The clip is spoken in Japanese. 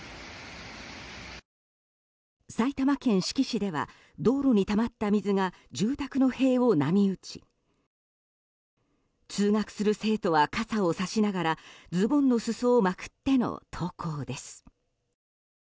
埼玉県志木市では道路にたまった水が住宅の塀を波打ち通学する生徒は傘をさしながらズボンのすそをまくっての登校です。